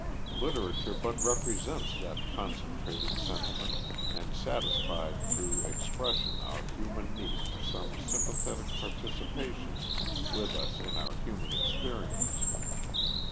Literature but represents that concentrated sentiment, and satisfies through expression our human need for some sympathetic participation with us in our human experience.